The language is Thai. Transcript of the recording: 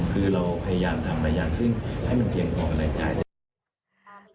คือเราพยายามทำอะไรอย่างซึ่งให้มันเปลี่ยนของในจ่าย